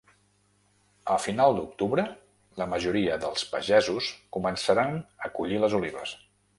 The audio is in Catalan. A final d’octubre, la majoria dels pagesos començaran a collir les olives.